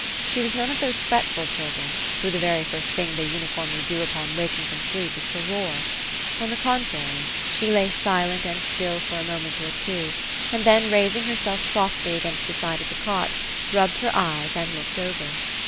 She was none of those fretful children, who, the very first thing they uniformly do upon waking up from sleep, is to roar ; on the contrary, she lay silent and still for a moment or two, and then raising herself softly against the side of the cot, rub^ bed her eyes, and looked over.